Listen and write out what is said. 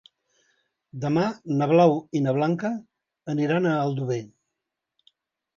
Demà na Blau i na Blanca aniran a Aldover.